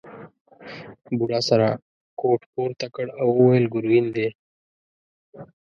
بوډا سره کوټ پورته کړ او وویل ګرګین دی.